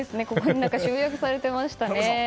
集約されていましたね。